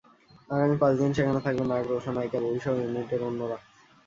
আগামী পাঁচ দিন সেখানে থাকবেন নায়ক রোশান, নায়িকা ববিসহ ইউনিটের অন্যরা।